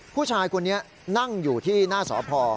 ผู้ชายคนนี้นั่งอยู่ที่หน้าสพ